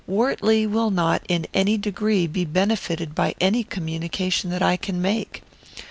Wortley will not, in any degree, be benefited by any communication that I can make.